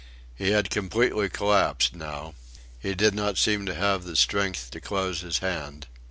He had completely collapsed now. He did not seem to have the strength to close his hand.